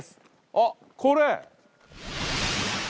あっこれ。